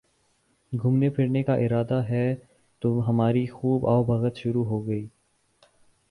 گھومنے پھرنے کا ارادہ ہے تو ہماری خوب آؤ بھگت شروع ہو گئی